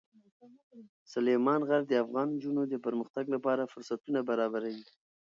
سلیمان غر د افغان نجونو د پرمختګ لپاره فرصتونه برابروي.